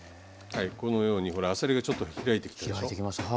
このようにほらあさりがちょっと開いてきたでしょう？